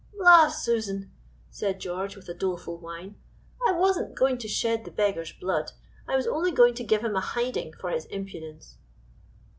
"La! Susan," said George, with a doleful whine, "I wasn't going to shed the beggar's blood. I was only going to give him a hiding for his impudence."